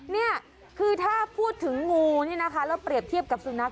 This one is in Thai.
นี่คือถ้าพูดถึงงูนี่นะคะแล้วเปรียบเทียบกับสุนัข